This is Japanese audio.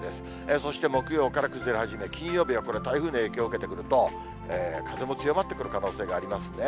そして木曜から崩れ始め、金曜日はこれ、台風の影響受けてくると、風も強まってくる可能性がありますね。